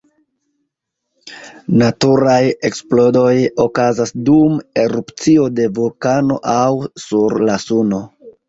Naturaj eksplodoj okazas dum erupcio de vulkano aŭ sur la Suno.